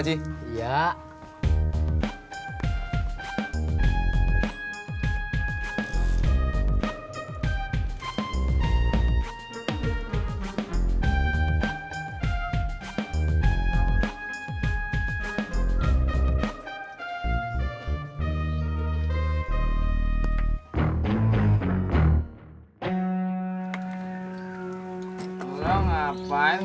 dia mau makan